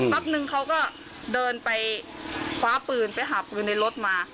นึงเขาก็เดินไปคว้าปืนไปหาปืนในรถมา